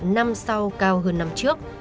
năm sau cao hơn năm trước